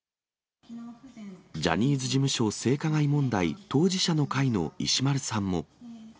ジャニーズ事務所性加害問題当事者の会の石丸さんも。